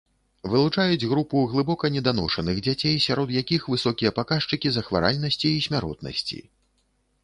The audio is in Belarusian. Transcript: Вылучаюць групу глыбока неданошаных дзяцей, сярод якіх высокія паказчыкі захваральнасці і смяротнасці.